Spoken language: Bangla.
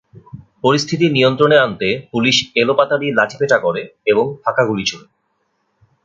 পরিস্থিতি নিয়ন্ত্রণে আনতে পুলিশ এলোপাতাড়ি লাঠিপেটা করে এবং ফাঁকা গুলি ছোড়ে।